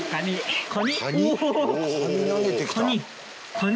カニ？